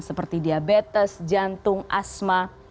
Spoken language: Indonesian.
seperti diabetes jantung asma